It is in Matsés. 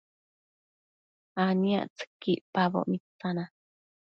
aniactsëqui icpaboc mitsana